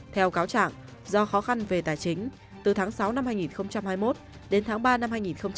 theo cáo trạng do khó khăn về tài chính từ tháng sáu năm hai nghìn hai mươi một đến tháng ba năm hai nghìn hai mươi ba